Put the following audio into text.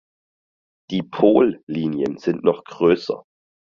Die Pollinien sind noch größer.